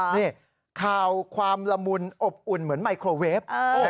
นี่ข่าวความละมุนอบอุ่นเหมือนไมโครเวฟ